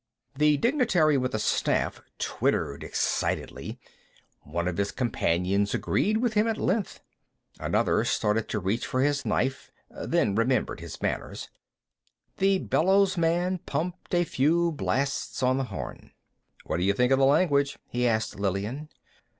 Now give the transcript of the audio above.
The dignitary with the staff twittered excitedly. One of his companions agreed with him at length. Another started to reach for his knife, then remembered his manners. The bellowsman pumped a few blasts on the horn. "What do you think of the language?" he asked Lillian.